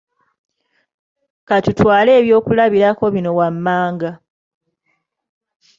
Ka tutwale ebyokulabirako bino wammanga